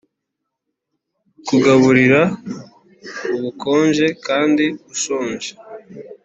kugaburira ubukonje kandi ushonje